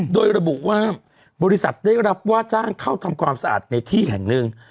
โดยระบุว่าบริษัทได้รับว่าจ้างเข้าทำความสะอาดในที่แห่งหนึ่ง